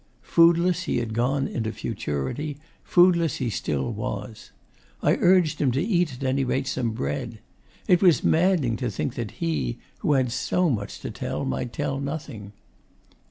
Foodless he had gone into futurity, foodless he still was. I urged him to eat at any rate some bread. It was maddening to think that he, who had so much to tell, might tell nothing.